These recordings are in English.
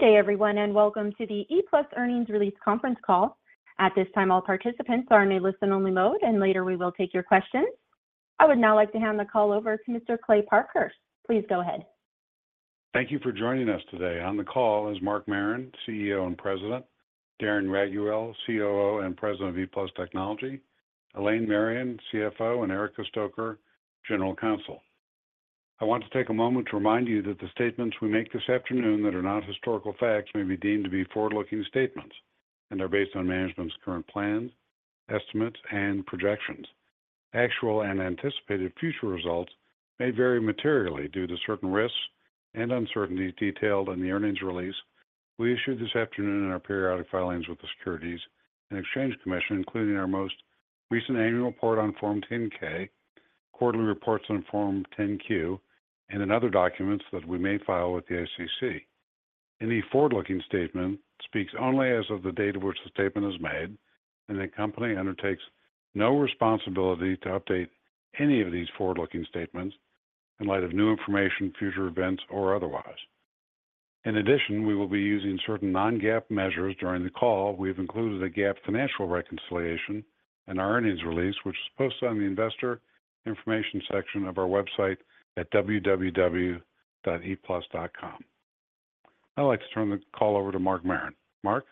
Good day everyone, and welcome to the ePlus Earnings Release conference call. At this time, all participants are in a listen-only mode, and later we will take your questions. I would now like to hand the call over to Mr. Kley Parkhurst. Please go ahead. Thank you for joining us today. On the call is Mark Marron, CEO and President, Darren Raiguel, COO and President of ePlus Technology, Elaine Marion, CFO, and Erica Stoecker, General Counsel. I want to take a moment to remind you that the statements we make this afternoon that are not historical facts may be deemed to be forward-looking statements, and are based on management's current plans, estimates, and projections. Actual and anticipated future results may vary materially due to certain risks and uncertainties detailed in the earnings release we issued this afternoon in our periodic filings with the Securities and Exchange Commission, including our most recent annual report on Form 10-K, quarterly reports on Form 10-Q, and in other documents that we may file with the SEC. Any forward-looking statement speaks only as of the date of which the statement is made, and the company undertakes no responsibility to update any of these forward-looking statements in light of new information, future events, or otherwise. In addition, we will be using certain non-GAAP measures during the call. We have included a GAAP financial reconciliation in our earnings release, which is posted on the investor information section of our website at www.eplus.com. I'd like to turn the call over to Mark Marron. Mark?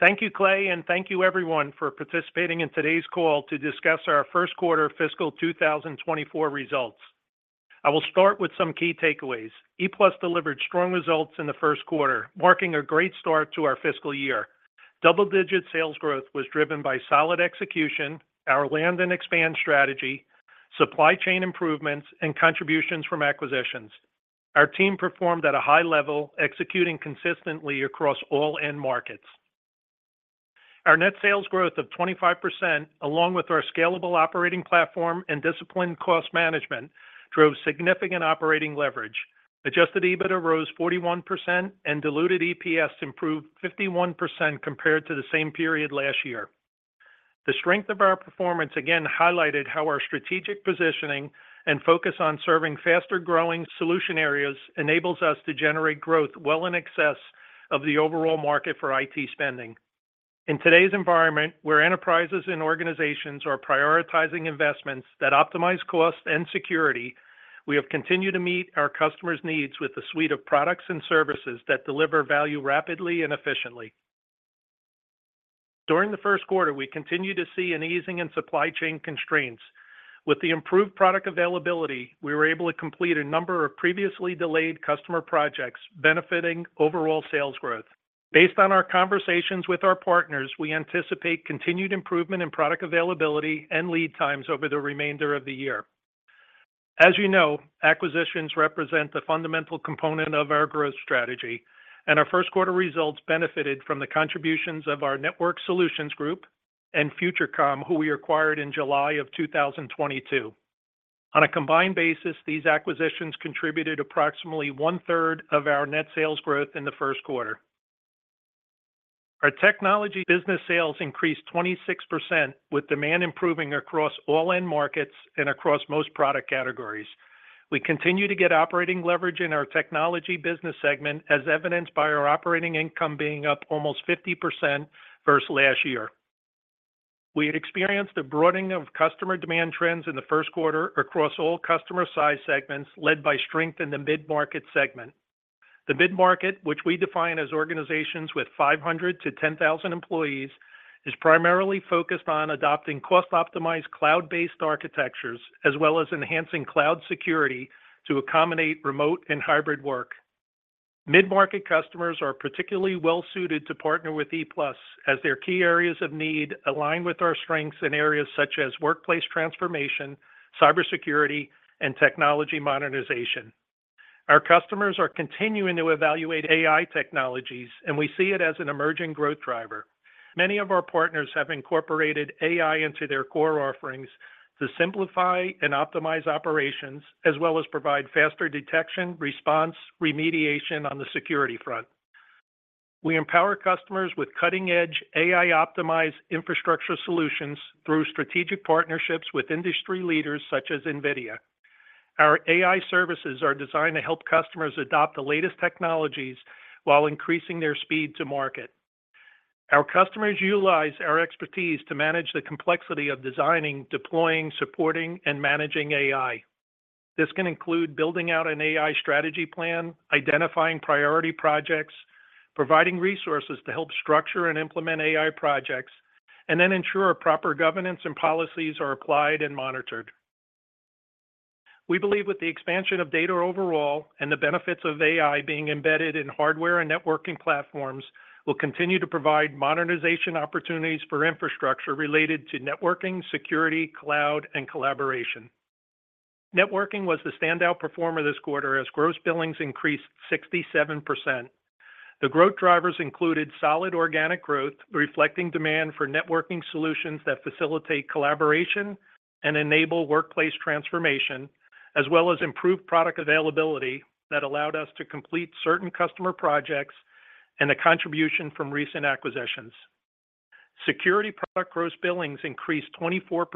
Thank you, Kley, thank you everyone for participating in today's call to discuss our Q1 fiscal 2024 results. I will start with some key takeaways. ePlus delivered strong results in the Q1, marking a great start to our fiscal year. Double-digit sales growth was driven by solid execution, our land and expand strategy, supply chain improvements, and contributions from acquisitions. Our team performed at a high level, executing consistently across all end markets. Our net sales growth of 25%, along with our scalable operating platform and disciplined cost management, drove significant operating leverage. Adjusted EBITDA rose 41%, and diluted EPS improved 51% compared to the same period last year. The strength of our performance again highlighted how our strategic positioning and focus on serving faster-growing solution areas enables us to generate growth well in excess of the overall market for IT spending. In today's environment, where enterprises and organizations are prioritizing investments that optimize cost and security, we have continued to meet our customers' needs with a suite of products and services that deliver value rapidly and efficiently. During the Q1, we continued to see an easing in supply chain constraints. With the improved product availability, we were able to complete a number of previously delayed customer projects, benefiting overall sales growth. Based on our conversations with our partners, we anticipate continued improvement in product availability and lead times over the remainder of the year. As you know, acquisitions represent the fundamental component of our growth strategy, and our Q1 results benefited from the contributions of our Network Solutions Group and Future Com, who we acquired in July 2022. On a combined basis, these acquisitions contributed approximately one-third of our net sales growth in the Q1. Our technology business sales increased 26%, with demand improving across all end markets and across most product categories. We continue to get operating leverage in our technology business segment, as evidenced by our operating income being up almost 50% versus last year. We had experienced a broadening of customer demand trends in the Q1 across all customer size segments, led by strength in the mid-market segment. The mid-market, which we define as organizations with 500-10,000 employees, is primarily focused on adopting cost-optimized, cloud-based architectures, as well as enhancing cloud security to accommodate remote and hybrid work. Mid-market customers are particularly well-suited to partner with ePlus, as their key areas of need align with our strengths in areas such as workplace transformation, cybersecurity, and technology modernization. Our customers are continuing to evaluate AI technologies, and we see it as an emerging growth driver. Many of our partners have incorporated AI into their core offerings to simplify and optimize operations, as well as provide faster detection, response, remediation on the security front. We empower customers with cutting-edge, AI-optimized infrastructure solutions through strategic partnerships with industry leaders such as NVIDIA. Our AI services are designed to help customers adopt the latest technologies while increasing their speed to market. Our customers utilize our expertise to manage the complexity of designing, deploying, supporting, and managing AI. This can include building out an AI strategy plan, identifying priority projects, providing resources to help structure and implement AI projects, and then ensure proper governance and policies are applied and monitored. We believe with the expansion of data overall and the benefits of AI being embedded in hardware and networking platforms, will continue to provide modernization opportunities for infrastructure related to networking, security, cloud, and collaboration. Networking was the standout performer this quarter, as gross billings increased 67%. The growth drivers included solid organic growth, reflecting demand for networking solutions that facilitate collaboration and enable workplace transformation, as well as improved product availability that allowed us to complete certain customer projects and the contribution from recent acquisitions.... Security product gross billings increased 24%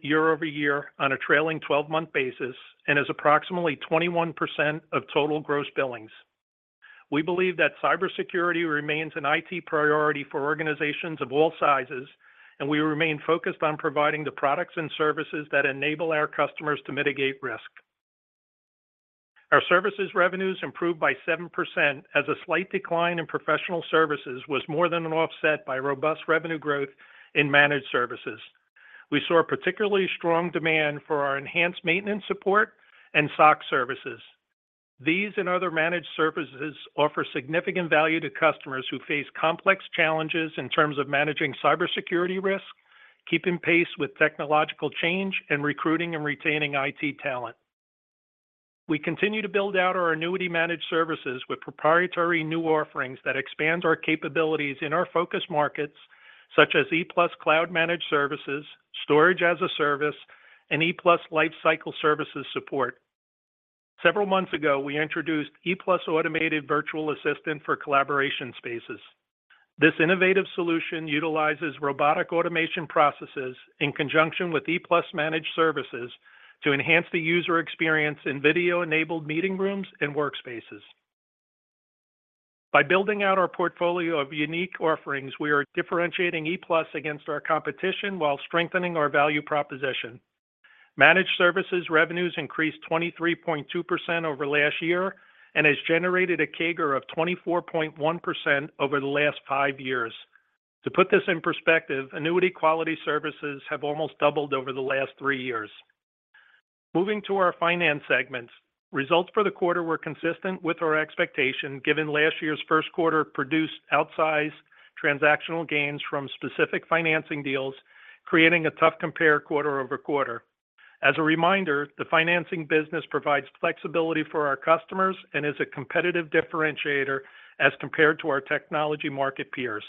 year-over-year on a trailing 12-month basis, and is approximately 21% of total gross billings. We believe that cybersecurity remains an IT priority for organizations of all sizes, and we remain focused on providing the products and services that enable our customers to mitigate risk. Our services revenues improved by 7%, as a slight decline in professional services was more than offset by robust revenue growth in managed services. We saw a particularly strong demand for our enhanced maintenance support and SOC services. Other managed services offer significant value to customers who face complex challenges in terms of managing cybersecurity risk, keeping pace with technological change, and recruiting and retaining IT talent. We continue to build out our annuity managed services with proprietary new offerings that expand our capabilities in our focus markets, such as ePlus Cloud Managed Services, Storage as a Service, and ePlus Lifecycle Services Support. Several months ago, we introduced ePlus Automated Virtual Assistant for Collaboration Spaces. This innovative solution utilizes robotic automation processes in conjunction with ePlus Managed Services to enhance the user experience in video-enabled meeting rooms and workspaces. By building out our portfolio of unique offerings, we are differentiating ePlus against our competition while strengthening our value proposition. Managed services revenues increased 23.2% over last year, and has generated a CAGR of 24.1% over the last five years. To put this in perspective, annuity quality services have almost doubled over the last three years. Moving to our finance segments, results for the quarter were consistent with our expectation, given last year's Q1 produced outsized transactional gains from specific financing deals, creating a tough compare quarter-over-quarter. As a reminder, the financing business provides flexibility for our customers and is a competitive differentiator as compared to our technology market peers.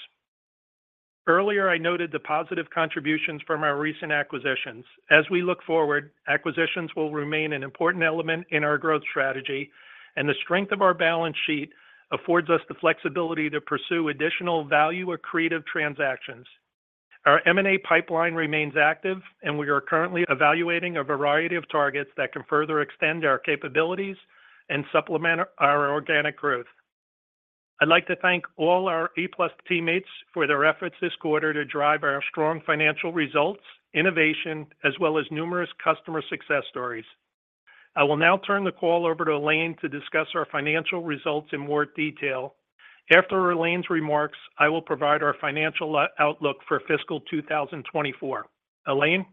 Earlier, I noted the positive contributions from our recent acquisitions. As we look forward, acquisitions will remain an important element in our growth strategy, and the strength of our balance sheet affords us the flexibility to pursue additional value accretive transactions. Our M&A pipeline remains active, and we are currently evaluating a variety of targets that can further extend our capabilities and supplement our organic growth. I'd like to thank all our ePlus teammates for their efforts this quarter to drive our strong financial results, innovation, as well as numerous customer success stories. I will now turn the call over to Elaine to discuss our financial results in more detail. After Elaine's remarks, I will provide our financial outlook for fiscal 2024. Elaine?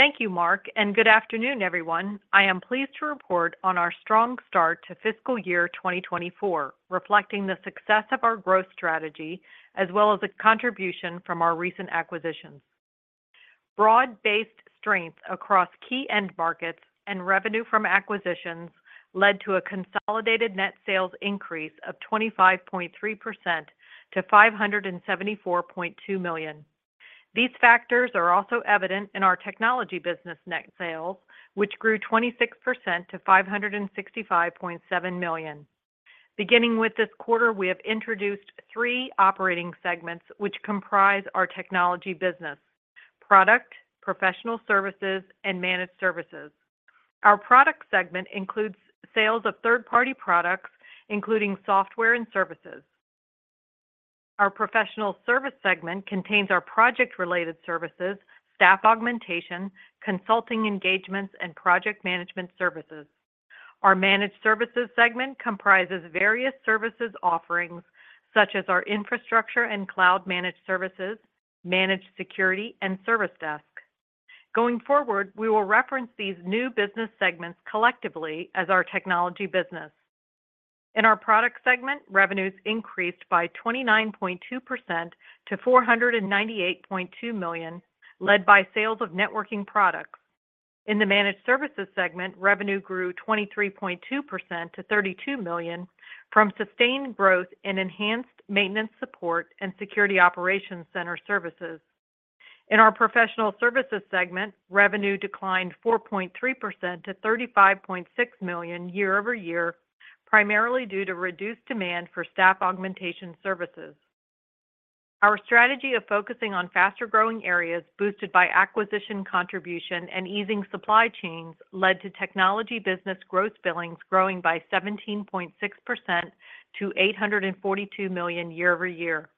Thank you, Mark, and good afternoon, everyone. I am pleased to report on our strong start to fiscal year 2024, reflecting the success of our growth strategy, as well as the contribution from our recent acquisitions. Broad-based strengths across key end markets and revenue from acquisitions led to a consolidated net sales increase of 25.3% to $574.2 million. These factors are also evident in our technology business net sales, which grew 26% to $565.7 million. Beginning with this quarter, we have introduced three operating segments, which comprise our technology business: product, professional services, and managed services. Our product segment includes sales of third-party products, including software and services. Our professional service segment contains our project-related services, staff augmentation, consulting engagements, and project management services. Our managed services segment comprises various services offerings, such as our infrastructure and Cloud Managed Services, managed security, and service desk. Going forward, we will reference these new business segments collectively as our technology business. In our product segment, revenues increased by 29.2% to $498.2 million, led by sales of networking products. In the managed services segment, revenue grew 23.2% to $32 million from sustained growth in enhanced maintenance, support, and security operations center services. In our professional services segment, revenue declined 4.3% to $35.6 million year-over-year, primarily due to reduced demand for staff augmentation services. Our strategy of focusing on faster-growing areas, boosted by acquisition contribution and easing supply chains, led to technology business gross billings growing by 17.6% to $842 million year-over-year.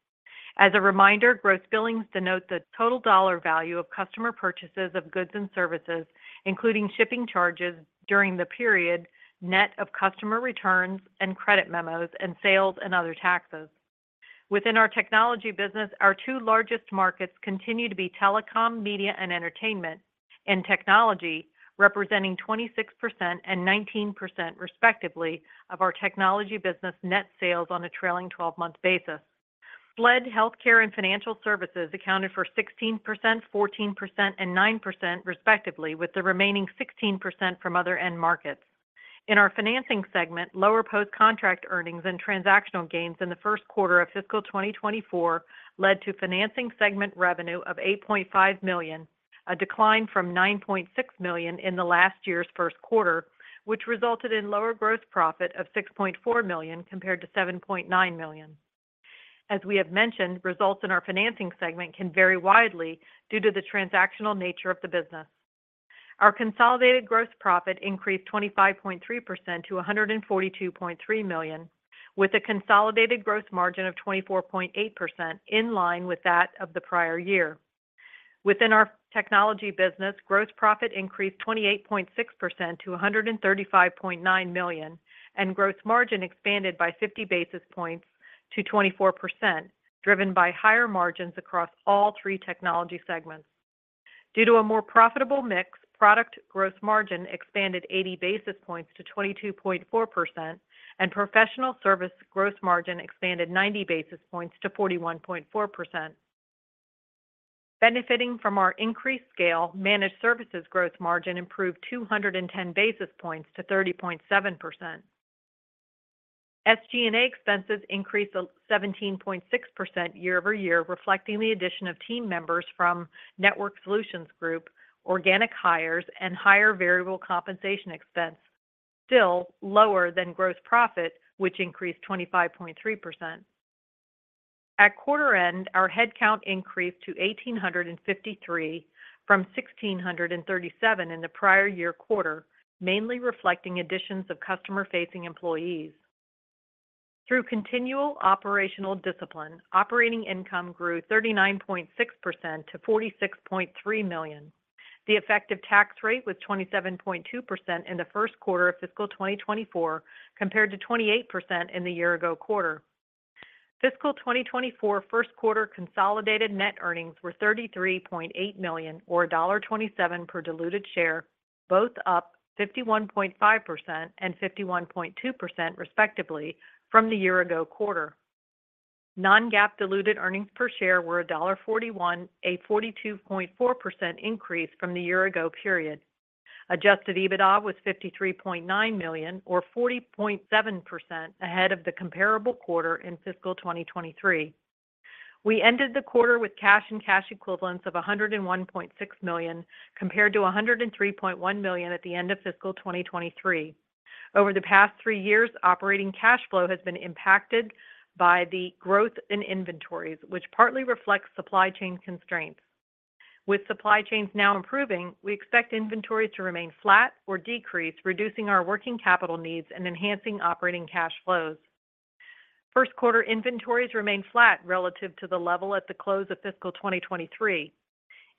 As a reminder, gross billings denote the total dollar value of customer purchases of goods and services, including shipping charges during the period, net of customer returns and credit memos and sales and other taxes. Within our technology business, our two largest markets continue to be telecom, media, and entertainment, and technology, representing 26% and 19%, respectively, of our technology business net sales on a trailing 12-month basis. SLED, healthcare, and financial services accounted for 16%, 14%, and 9%, respectively, with the remaining 16% from other end markets. In our financing segment, lower post-contract earnings and transactional gains in the Q1 of fiscal 2024 led to financing segment revenue of $8.5 million. A decline from $9.6 million in the last year's Q1, which resulted in lower gross profit of $6.4 million, compared to $7.9 million. As we have mentioned, results in our financing segment can vary widely due to the transactional nature of the business. Our consolidated gross profit increased 25.3% to $142.3 million, with a consolidated gross margin of 24.8%, in line with that of the prior year. Within our technology business, gross profit increased 28.6% to $135.9 million, and gross margin expanded by 50 basis points to 24%, driven by higher margins across all three technology segments. Due to a more profitable mix, product gross margin expanded 80 basis points to 22.4%, and professional service gross margin expanded 90 basis points to 41.4%. Benefiting from our increased scale, managed services growth margin improved 210 basis points to 30.7%. SG&A expenses increased 17.6% year-over-year, reflecting the addition of team members from Network Solutions Group, organic hires, and higher variable compensation expense, still lower than gross profit, which increased 25.3%. At quarter end, our headcount increased to 1,853 from 1,637 in the prior year quarter, mainly reflecting additions of customer-facing employees. Through continual operational discipline, operating income grew 39.6% to $46.3 million. The effective tax rate was 27.2% in the Q1 of fiscal 2024, compared to 28% in the year ago quarter. Fiscal 2024 Q1 consolidated net earnings were $33.8 million, or $1.27 per diluted share, both up 51.5% and 51.2% respectively from the year ago quarter. Non-GAAP diluted earnings per share were $1.41, a 42.4% increase from the year ago period. Adjusted EBITDA was $53.9 million, or 40.7% ahead of the comparable quarter in fiscal 2023. We ended the quarter with cash and cash equivalents of $101.6 million, compared to $103.1 million at the end of fiscal 2023. Over the past 3 years, operating cash flow has been impacted by the growth in inventories, which partly reflects supply chain constraints. With supply chains now improving, we expect inventory to remain flat or decrease, reducing our working capital needs and enhancing operating cash flows. Q1 inventories remained flat relative to the level at the close of fiscal 2023.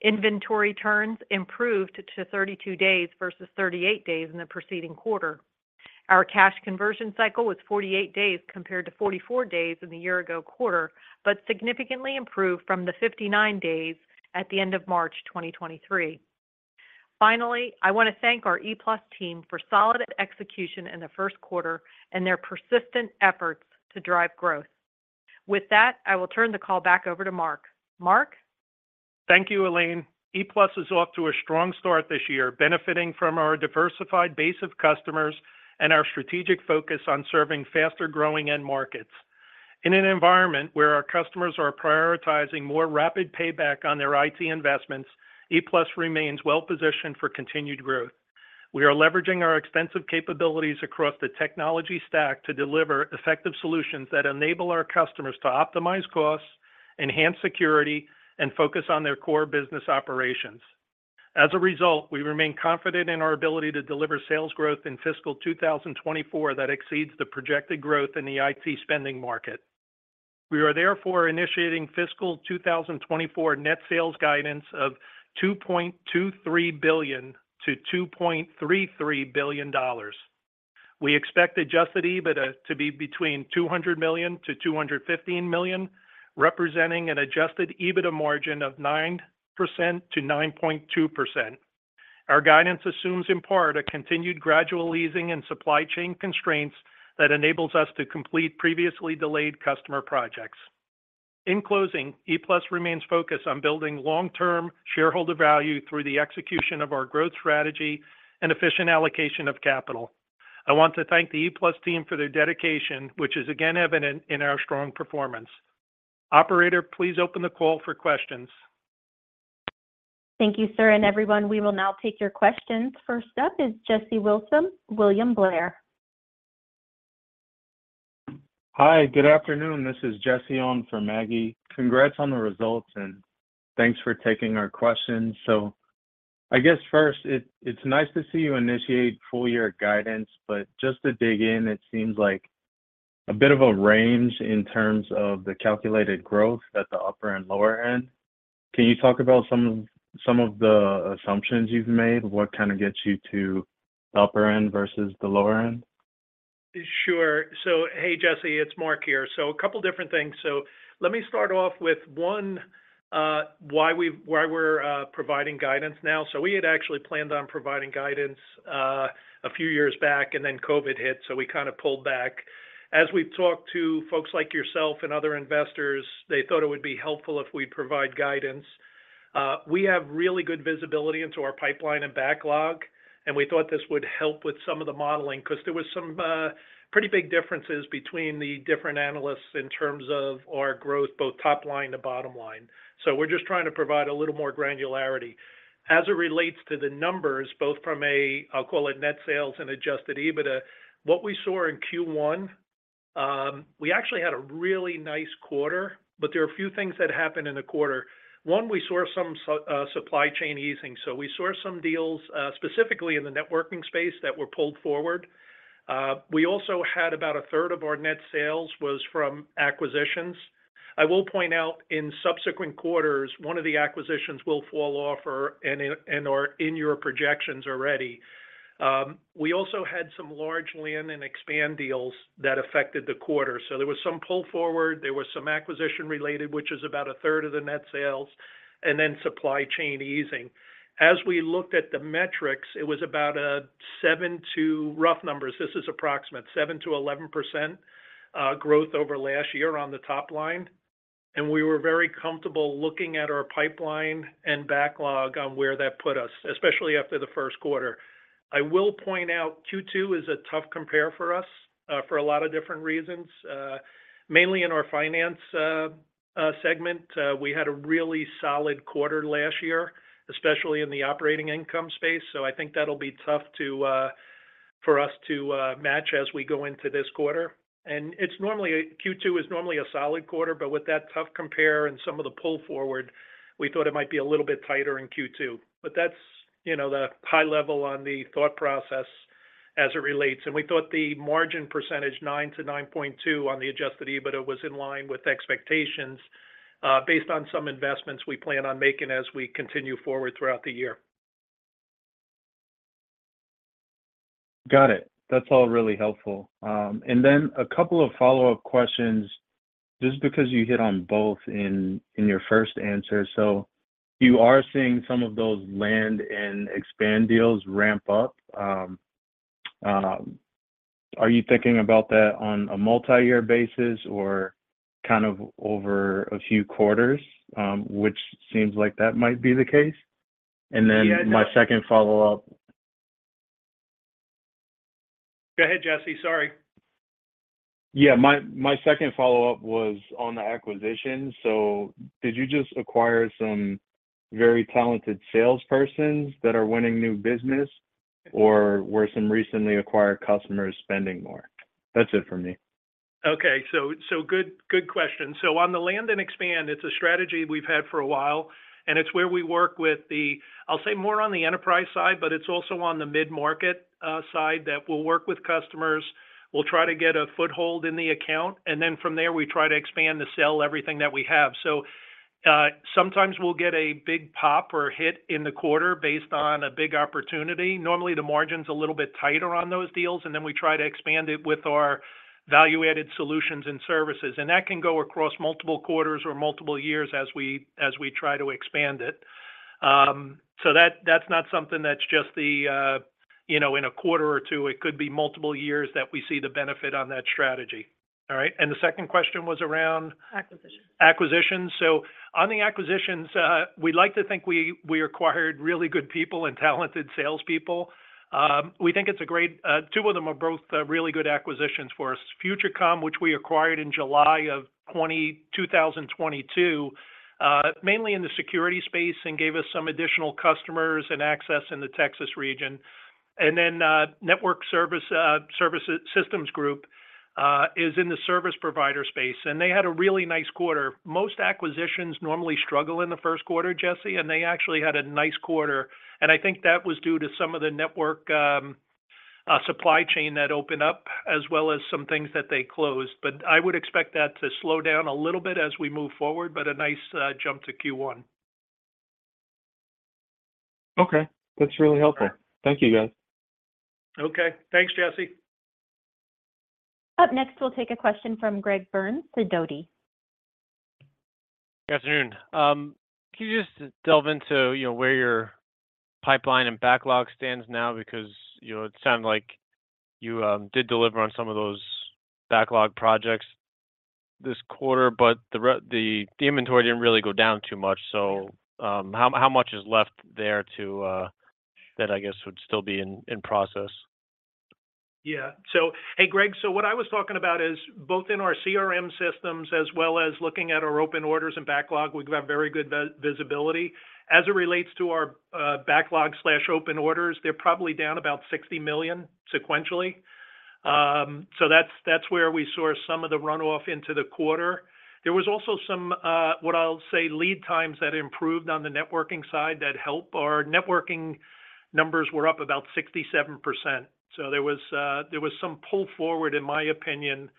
Inventory turns improved to 32 days versus 38 days in the preceding quarter. Our cash conversion cycle was 48 days, compared to 44 days in the year ago quarter, but significantly improved from the 59 days at the end of March 2023. Finally, I want to thank our ePlus team for solid execution in the Q1 and their persistent efforts to drive growth. With that, I will turn the call back over to Mark. Mark? Thank you, Elaine. ePlus is off to a strong start this year, benefiting from our diversified base of customers and our strategic focus on serving faster-growing end markets. In an environment where our customers are prioritizing more rapid payback on their IT investments, ePlus remains well-positioned for continued growth. We are leveraging our extensive capabilities across the technology stack to deliver effective solutions that enable our customers to optimize costs, enhance security, and focus on their core business operations. As a result, we remain confident in our ability to deliver sales growth in fiscal 2024 that exceeds the projected growth in the IT spending market. We are therefore initiating fiscal 2024 net sales guidance of $2.23 billion-$2.33 billion. We expect Adjusted EBITDA to be between $200 million-$215 million, representing an Adjusted EBITDA margin of 9%-9.2%. Our guidance assumes, in part, a continued gradual easing in supply chain constraints that enables us to complete previously delayed customer projects. In closing, ePlus remains focused on building long-term shareholder value through the execution of our growth strategy and efficient allocation of capital. I want to thank the ePlus team for their dedication, which is again evident in our strong performance. Operator, please open the call for questions. Thank you, sir, and everyone, we will now take your questions. First up is Jesse Wilson, William Blair. Hi, good afternoon. This is Jesse on for Maggie. Congrats on the results, and thanks for taking our questions. I guess first, it, it's nice to see you initiate full year guidance, but just to dig in, it seems like a bit of a range in terms of the calculated growth at the upper and lower end. Can you talk about some, some of the assumptions you've made? What kind of gets you to the upper end versus the lower end? Sure. Hey, Jesse, it's Mark here. A couple different things. Let me start off with 1, why we're providing guidance now. We had actually planned on providing guidance a few years back, and then COVID hit, so we kinda pulled back. As we talked to folks like yourself and other investors, they thought it would be helpful if we'd provide guidance. We have really good visibility into our pipeline and backlog, and we thought this would help with some of the modeling, 'cause there was some pretty big differences between the different analysts in terms of our growth with both top line to bottom line. We're just trying to provide a little more granularity. As it relates to the numbers, both from a, I'll call it net sales and Adjusted EBITDA, what we saw in Q1, we actually had a really nice quarter, but there are a few things that happened in the quarter. One, we saw some supply chain easing. We saw some deals specifically in the networking space that were pulled forward. We also had about a third of our net sales was from acquisitions. I will point out, in subsequent quarters, one of the acquisitions will fall off or, and in, and are in your projections already. We also had some large land and expand deals that affected the quarter. There was some pull forward, there was some acquisition related, which is about a third of the net sales, and then supply chain easing. As we looked at the metrics, it was about a 7 to, rough numbers, this is approximate, 7 to 11%, growth over last year on the top line, we were very comfortable looking at our pipeline and backlog on where that put us, especially after the Q1. I will point out, Q2 is a tough compare for us, for a lot of different reasons. Mainly in our finance segment, we had a really solid quarter last year, especially in the operating income space, I think that'll be tough to for us to match as we go into this quarter. It's normally Q2 is normally a solid quarter, with that tough compare and some of the pull forward, we thought it might be a little bit tighter in Q2. That's, you know, the high level on the thought process as it relates. We thought the margin percentage, 9%-9.2% on the Adjusted EBITDA, was in line with expectations, based on some investments we plan on making as we continue forward throughout the year. Got it. That's all really helpful. A couple of follow-up questions, just because you hit on both in, in your first answer. You are seeing some of those land and expand deals ramp up. Are you thinking about that on a multi-year basis or kind of over a few quarters? Which seems like that might be the case. Yeah. Then my second follow-up. Go ahead, Jesse. Sorry. Yeah, my second follow-up was on the acquisition. Did you just acquire some very talented salespersons that are winning new business, or were some recently acquired customers spending more? That's it for me. Okay. Good, good question. On the land and expand, it's a strategy we've had for a while, and it's where we work with the, I'll say more on the enterprise side, but it's also on the mid-market side, that we'll work with customers. We'll try to get a foothold in the account, and then from there, we try to expand to sell everything that we have. Sometimes we'll get a big pop or hit in the quarter based on a big opportunity. Normally, the margin's a little bit tighter on those deals, and then we try to expand it with our value-added solutions and services, and that can go across multiple quarters or multiple years as we, as we try to expand it. That, that's not something that's just the, you know, in a quarter or two. It could be multiple years that we see the benefit on that strategy. All right, the second question was around? Acquisitions. Acquisitions. On the acquisitions, we'd like to think we, we acquired really good people and talented salespeople. We think it's a great, two of them are both, really good acquisitions for us. Future Com, which we acquired in July of 2022, mainly in the security space, and gave us some additional customers and access in the Texas region. Network Solutions Group is in the service provider space, and they had a really nice quarter. Most acquisitions normally struggle in the Q1, Jesse, and they actually had a nice quarter, and I think that was due to some of the network, supply chain that opened up, as well as some things that they closed. I would expect that to slow down a little bit as we move forward, but a nice jump to Q1. Okay. That's really helpful. Okay. Thank you, guys. Okay. Thanks, Jesse. Up next, we'll take a question from Greg Burns to Sidoti. Good afternoon. Can you just delve into, you know, where your pipeline and backlog stands now? Because, you know, it sounded like you did deliver on some of those backlog projects this quarter, but the inventory didn't really go down too much. So, how, how much is left there to that I guess would still be in, in process? Yeah. Hey, Greg, so what I was talking about is both in our CRM systems as well as looking at our open orders and backlog, we've got very good visibility. As it relates to our, backlog/open orders, they're probably down about $60 million sequentially. That's, that's where we saw some of the runoff into the quarter. There was also some, what I'll say, lead times that improved on the networking side that helped. Our networking numbers were up about 67%, so there was, there was some pull forward, in my opinion,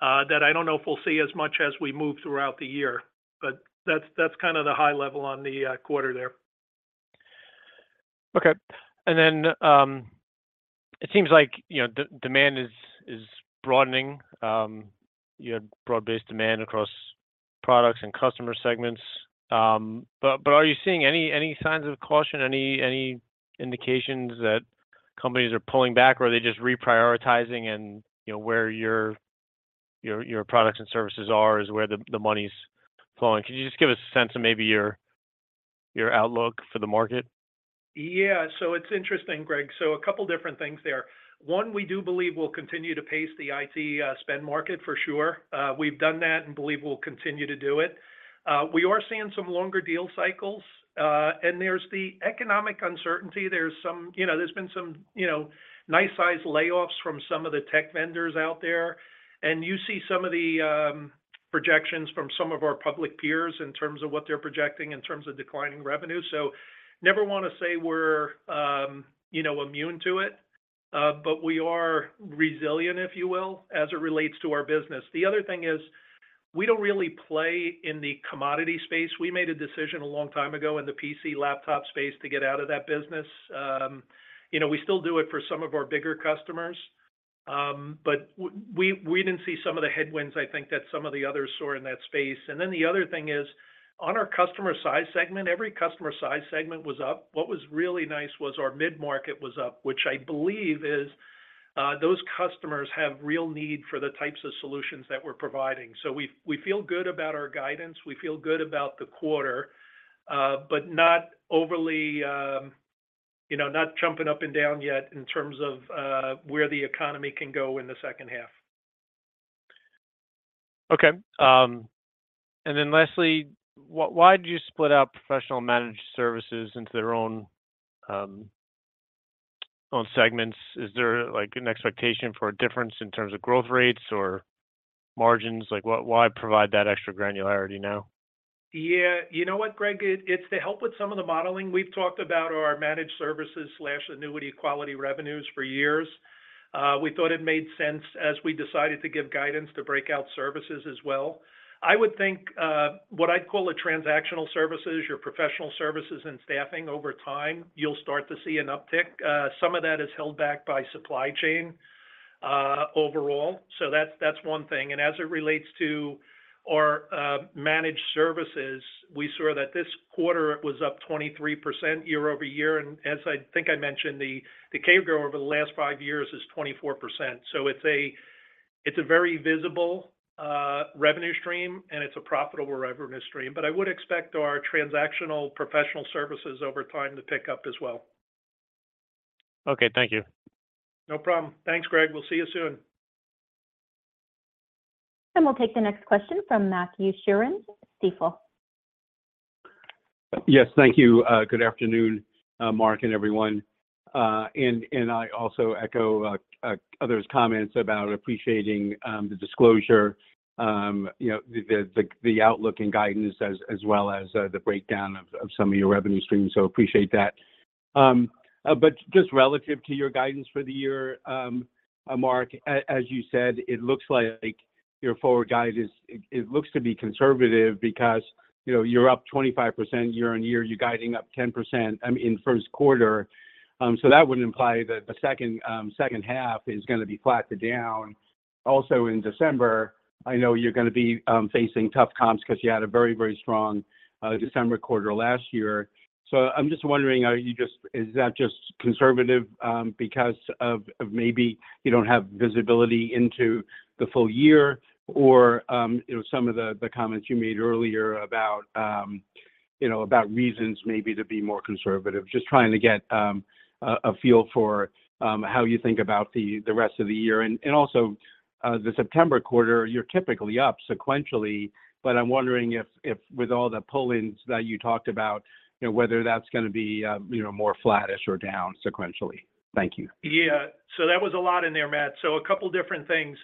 that I don't know if we'll see as much as we move throughout the year, but that's, that's kind of the high level on the, quarter there. Okay. Then, it seems like, you know, demand is, is broadening. You had broad-based demand across products and customer segments. But are you seeing any, any signs of caution, any, any indications that companies are pulling back, or are they just reprioritizing? You know, where your, your, your products and services are is where the, the money's flowing. Can you just give us a sense of maybe your outlook for the market? Yeah, it's interesting, Greg. A couple different things there. One, we do believe we'll continue to pace the IT spend market for sure. We've done that and believe we'll continue to do it. We are seeing some longer deal cycles. There's the economic uncertainty. There's some, you know, there's been some, you know, nice-sized layoffs from some of the tech vendors out there. You see some of the projections from some of our public peers in terms of what they're projecting in terms of declining revenue. Never wanna say we're, you know, immune to it, but we are resilient, if you will, as it relates to our business. The other thing is, we don't really play in the commodity space. We made a decision a long time ago in the PC laptop space to get out of that business. You know, we still do it for some of our bigger customers, but we didn't see some of the headwinds, I think, that some of the others saw in that space. The other thing is, on our customer size segment, every customer size segment was up. What was really nice was our mid-market was up, which I believe is, those customers have real need for the types of solutions that we're providing. We feel good about our guidance, we feel good about the quarter, but not overly, you know, not jumping up and down yet in terms of where the economy can go in the second half. Okay. Lastly, why, why'd you split out professional managed services into their own segments? Is there, like, an expectation for a difference in terms of growth rates or margins? Like, why provide that extra granularity now? Yeah. You know what, Greg? It, it's to help with some of the modeling. We've talked about our managed services/annuity quality revenues for years. We thought it made sense, as we decided to give guidance, to break out services as well. I would think, what I'd call a transactional services, your professional services and staffing over time, you'll start to see an uptick. Some of that is held back by supply chain overall. That's, that's one thing. As it relates to our managed services, we saw that this quarter was up 23% year-over-year, and as I think I mentioned, the, the CAGR over the last five years is 24%. It's a, it's a very visible revenue stream, and it's a profitable revenue stream. I would expect our transactional professional services over time to pick up as well. Okay, thank you. No problem. Thanks, Greg. We'll see you soon. We'll take the next question from Matthew Sheerin, Stifel. Yes, thank you. Good afternoon, Mark and everyone. I also echo others' comments about appreciating the disclosure, you know, the, the, the outlook and guidance as, as well as the breakdown of some of your revenue streams, so appreciate that. Just relative to your guidance for the year, Mark, as you said, it looks like your forward guidance is- it, it looks to be conservative because, you know, you're up 25% year on year, you're guiding up 10%, I mean, in Q1. That would imply that the second second half is gonna be flat to down. Also in December, I know you're gonna be facing tough comps because you had a very, very strong December quarter last year. I'm just wondering, are you just- is that just conservative, because of, of maybe you don't have visibility into the full year? You know, some of the comments you made earlier about, you know, about reasons maybe to be more conservative. Just trying to get a feel for how you think about the rest of the year. Also, the September quarter, you're typically up sequentially, but I'm wondering if, if with all the pull-ins that you talked about, you know, whether that's gonna be, you know, more flattish or down sequentially. Thank you. Yeah. That was a lot in there, Matt. A couple different things.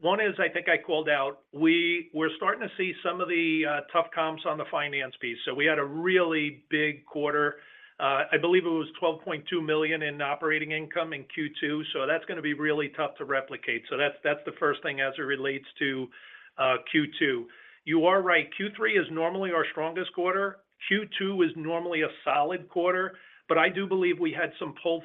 One is, I think I called out, we're starting to see some of the tough comps on the finance piece. We had a really big quarter, I believe it was $12.2 million in operating income in Q2, so that's gonna be really tough to replicate. That's the first thing as it relates to Q2. You are right, Q3 is normally our strongest quarter. Q2 is normally a solid quarter, but I do believe we had some pull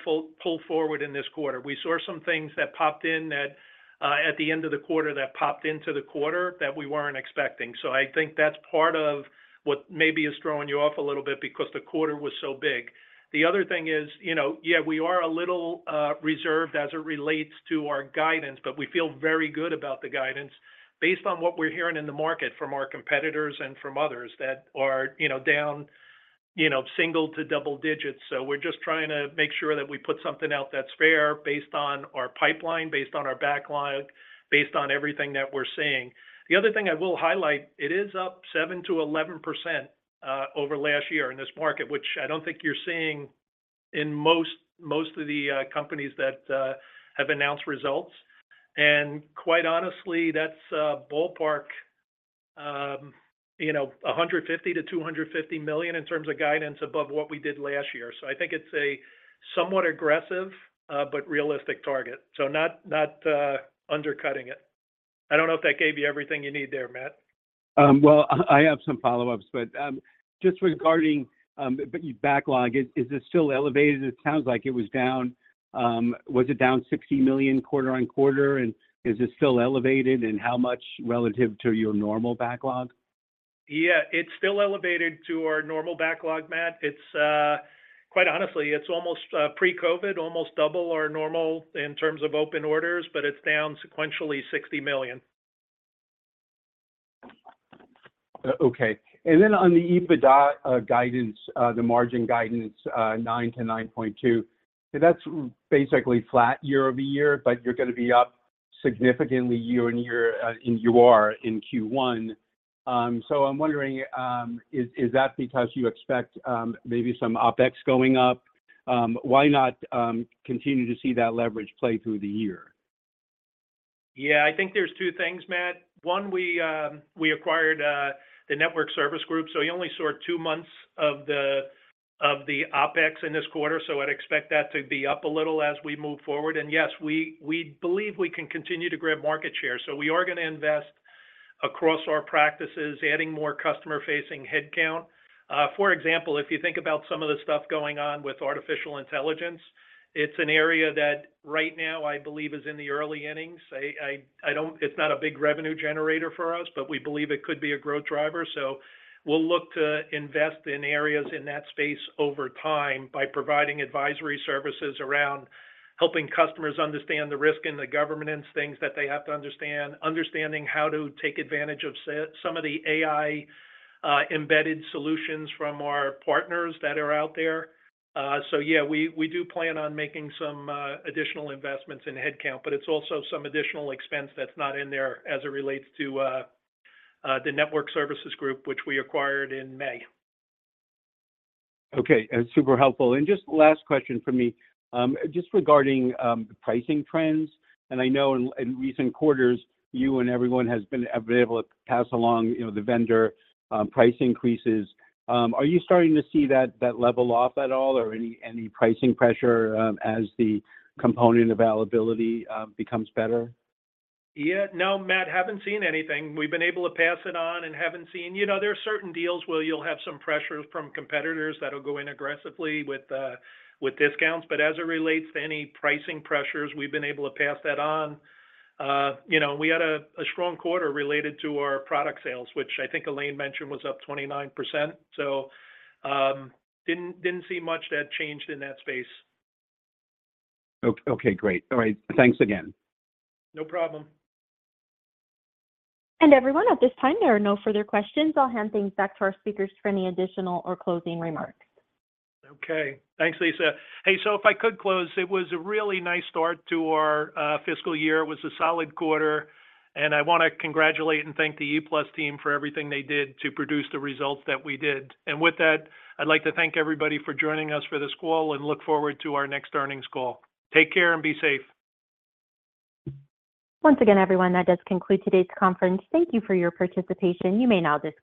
forward in this quarter. We saw some things that popped in that, at the end of the quarter, that popped into the quarter that we weren't expecting. I think that's part of what maybe is throwing you off a little bit because the quarter was so big. The other thing is, you know, yeah, we are a little reserved as it relates to our guidance, but we feel very good about the guidance based on what we're hearing in the market from our competitors and from others that are, you know, down, you know, single to double digits. We're just trying to make sure that we put something out that's fair, based on our pipeline, based on our backlog, based on everything that we're seeing. The other thing I will highlight, it is up 7%-11% over last year in this market, which I don't think you're seeing in most, most of the companies that have announced results. quite honestly, that's ballpark, you know, $150 million-$250 million in terms of guidance above what we did last year. I think it's a somewhat aggressive, but realistic target. not, not undercutting it. I don't know if that gave you everything you need there, Matt. Well, I, I have some follow-ups, but, just regarding, your backlog, is, is it still elevated? It sounds like it was down... Was it down $60 million quarter-over-quarter? Is it still elevated, and how much relative to your normal backlog? Yeah, it's still elevated to our normal backlog, Matt. It's, quite honestly, it's almost pre-COVID, almost double our normal in terms of open orders, but it's down sequentially $60 million. Okay. Then on the EBITDA guidance, the margin guidance, 9-9.2, that's basically flat year-over-year, but you're gonna be up significantly year-and-year, and you are in Q1. I'm wondering, is that because you expect maybe some OpEx going up? Why not continue to see that leverage play through the year? Yeah, I think there's 2 things, Matt. One, we acquired the Network Solutions Group. We only saw 2 months of the OpEx in this quarter. I'd expect that to be up a little as we move forward. Yes, we believe we can continue to grab market share. We are gonna invest across our practices, adding more customer-facing headcount. For example, if you think about some of the stuff going on with artificial intelligence, it's an area that right now I believe is in the early innings. It's not a big revenue generator for us, but we believe it could be a growth driver. We'll look to invest in areas in that space over time by providing advisory services around helping customers understand the risk and the governance things that they have to understand, understanding how to take advantage of some of the AI embedded solutions from our partners that are out there. Yeah, we, we do plan on making some additional investments in headcount, but it's also some additional expense that's not in there as it relates to the Network Solutions Group, which we acquired in May. Okay, that's super helpful. Just last question from me. Just regarding pricing trends, and I know in, in recent quarters, you and everyone has been able to pass along, you know, the vendor price increases, are you starting to see that, that level off at all or any, any pricing pressure, as the component availability becomes better? Yeah. No, Matt, haven't seen anything. We've been able to pass it on and haven't seen... You know, there are certain deals where you'll have some pressure from competitors that'll go in aggressively with discounts. As it relates to any pricing pressures, we've been able to pass that on. You know, we had a strong quarter related to our product sales, which I think Elaine mentioned was up 29%. Didn't see much that changed in that space. Okay, great. All right. Thanks again. No problem. Everyone, at this time, there are no further questions. I'll hand things back to our speakers for any additional or closing remarks. Okay. Thanks, Lisa. Hey, if I could close, it was a really nice start to our fiscal year. It was a solid quarter, and I want to congratulate and thank the ePlus team for everything they did to produce the results that we did. With that, I'd like to thank everybody for joining us for this call and look forward to our next earnings call. Take care and be safe. Once again, everyone, that does conclude today's conference. Thank you for your participation. You may now disconnect.